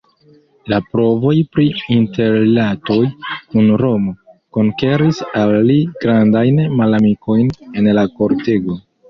La provoj pri interrilatoj kun Romo konkeris al li grandajn malamikojn en la kortego.